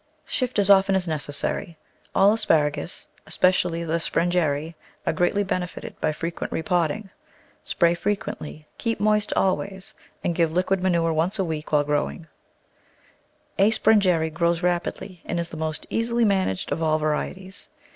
Shift as often as necessary; all Asparagus — especially the Sprengeri — are greatly benefited by frequent re Digitized by Google Eight] gottge^latitg 65 potting. Spray frequently, keep moist always, and give liquid manure once a week while growing. A. Sprengeri grows rapidly and is the most easily managed of all varieties.